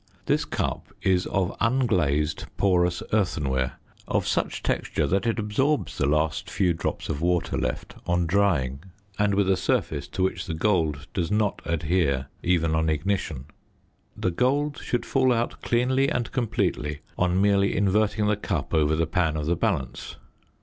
This cup is of unglazed porous earthenware of such texture that it absorbs the last few drops of water left on drying; and with a surface to which the gold does not adhere even on ignition. The gold should fall out cleanly and completely on merely inverting the cup over the pan of the balance.